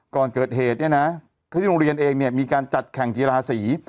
ก่อนเกิดเหตุเนี่ยนะที่โรงเรียนเองเนี่ยมีการจัดแข่งกีฬาสี